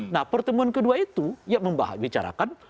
nah pertemuan kedua itu ya membicarakan